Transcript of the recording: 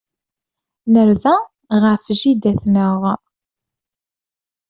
Nerza ɣef jida-tneɣ.